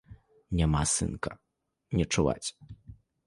Няма сынка, не чуваць.